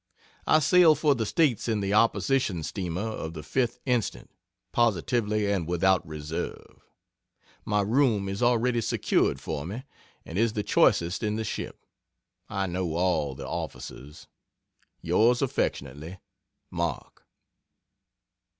I sail for the States in the Opposition steamer of the 5th inst., positively and without reserve. My room is already secured for me, and is the choicest in the ship. I know all the officers. Yrs. Affy MARK.